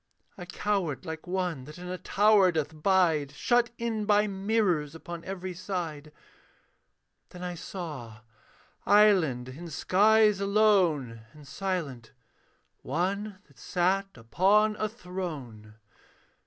I cowered like one that in a tower doth bide, Shut in by mirrors upon every side; Then I saw, islanded in skies alone And silent, one that sat upon a throne.